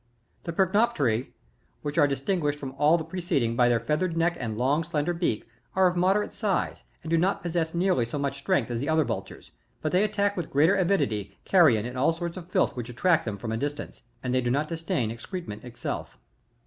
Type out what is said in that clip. ] 21. The Percnopteri, (^Pfate 3, fig. 4.) which are distinguished from all the preceding by their feathered neck and long, slender beak, are of moderate size, and do not possess neeu^ly so much strength as the other Vultures ; but they attack with greater avidity carrion and all sorts of filth which attract them flrom a distance ; and they do not disdain excrement itself.